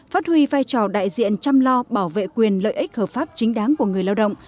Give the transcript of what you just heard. phát huy vai trò đại diện chăm lo bảo vệ quyền lợi ích hợp pháp chính đáng của người lao động